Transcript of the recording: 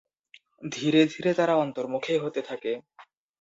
ধীরে ধীরে তারা অন্তর্মুখী হতে থাকে।